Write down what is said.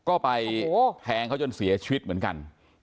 ก็ไปแทงเขาจนเสียชีวิตเหมือนกัน